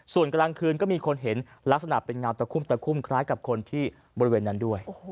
ส่วนกลางคืนก็มีคนเห็นลักษณะเป็นเงาตะคุ่มตะคุ่มคล้ายกับคนที่บริเวณนั้นด้วย